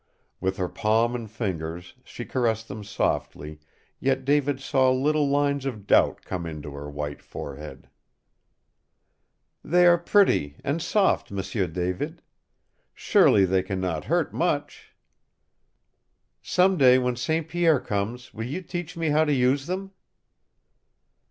With her palm and fingers she caressed them softly, yet David saw little lines of doubt come into her white forehead. "They are pretty and soft, M'sieu David. Surely they can not hurt much! Some day when St. Pierre comes, will you teach me how to use them?"